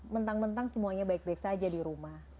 mentang mentang semuanya baik baik saja di rumah